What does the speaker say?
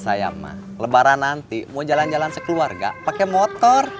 saya mah lebaran nanti mau jalan jalan sekeluarga pakai motor